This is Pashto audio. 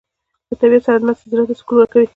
له طبیعت سره ناستې زړه ته سکون ورکوي.